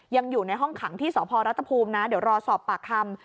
ยังอยู่ในห้องขังที่สพรัฐภูมินะเดี๋ยวรอสอบปากคำ